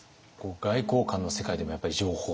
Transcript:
外交官の世界でもやっぱり情報戦？